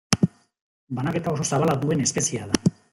Banaketa oso zabala duen espeziea da.